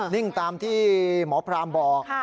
นิ่งตามที่หมอพรามบอก